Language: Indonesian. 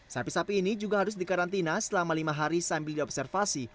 sapi sapi ini juga harus dikarantina selama lima hari sambil diobservasi